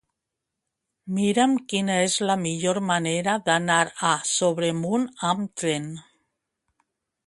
Mira'm quina és la millor manera d'anar a Sobremunt amb tren.